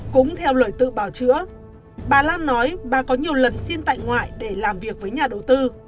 cũng theo lời tự bào chữa bà lan nói bà có nhiều lần xin tại ngoại để làm việc với nhà đầu tư